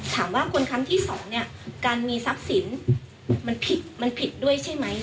ถามว่าคนครั้งที่สองเนี่ยการมีทรัพย์สินมันผิดมันผิดด้วยใช่ไหม